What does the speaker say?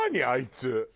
あいつ。